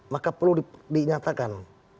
maka perlu dinyatakan